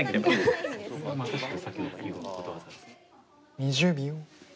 ２０秒。